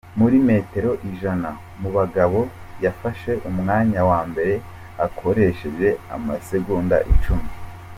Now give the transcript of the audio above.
Muri metero ijana mu bagabo, yafashe umwanya wa mbere akoresheje amasegonda icumi